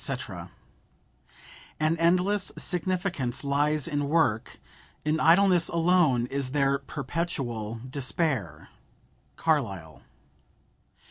"An endless significance lies in work; in idleness alone is there perpetual despair."—CARLYLE.